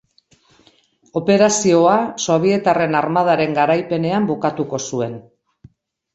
Operazioa Sobietarren armadaren garaipenean bukatuko zuen.